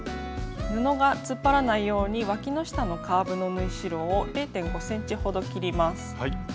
布が突っ張らないようにわきの下のカーブの縫い代を０．５ｃｍほど切ります。